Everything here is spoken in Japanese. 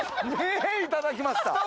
メェ、いただきました。